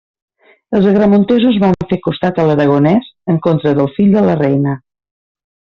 Els agramontesos van fer costat a l'aragonès en contra del fill de la reina.